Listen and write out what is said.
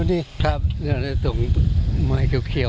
ได้แบบนี้ไหมเนี่ย